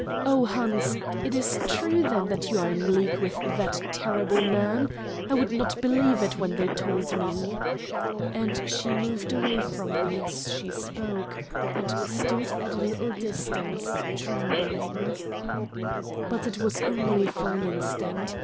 Oh, Hans, it is true then that you are in league with that terrible man. I would not believe it when they told me." And she moved away from me as she spoke, and stood at a little distance, trembling. But it was only for an instant.